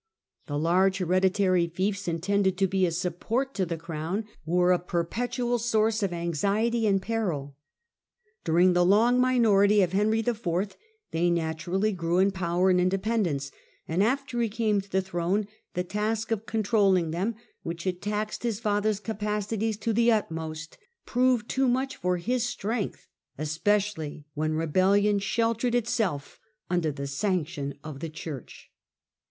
The large hereditary fiefs intended to be a support to the crown, were a perpetual source of anxiety and peril. During the long minority of Henry IV. they naturally grew in power and indepen dence, and after he came to the throne the task of con trolling them, which had taxed his father's capacities to the utmost, proved too much for his strength, especially when rebellion sheltered itself under the sanction of the Church.